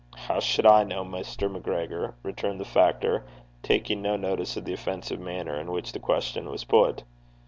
'How should I know, Mr. MacGregor?' returned the factor, taking no notice of the offensive manner in which the question was put.